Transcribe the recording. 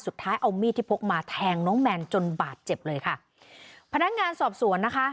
สุดท้ายเอามีดที่พกมาแทงน้องแมนจนบาดเจ็บเลยค่ะพนักงานสอบสวนนะคะ